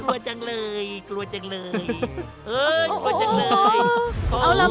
พอแค่นี้แหละ